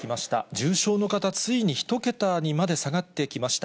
重症の方、ついに１桁にまで下がってきました。